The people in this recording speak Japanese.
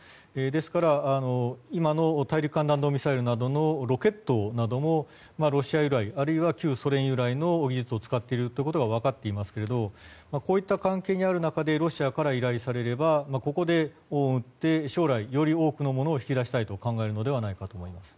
ですから、今の大陸間弾道ミサイルなどのロケットなどもロシア由来あるいは旧ソ連由来の技術を使っていることが分かっていますけれどこういった関係にある中でロシアから依頼されればここで恩を売って将来、より多くのものを引き出したいと考えるのではないかと思います。